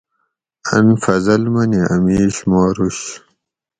ان فضل منی اۤ میش ماروش